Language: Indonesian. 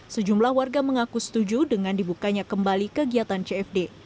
sejumlah warga mengaku setuju dengan dibukanya kembali kegiatan cfd